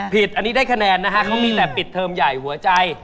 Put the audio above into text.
อันนี้ได้คะแนนนะฮะเขามีแต่ปิดเทอมใหญ่หัวใจ